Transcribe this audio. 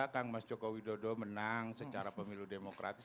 kang mas joko widodo menang secara pemilu demokratis